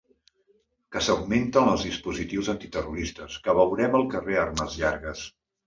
Que s’augmenten els dispositius antiterroristes, que veurem al carrer armes llargues.